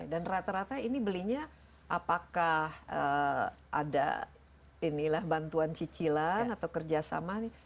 dan rata rata ini belinya apakah ada bantuan cicilan atau kerjasama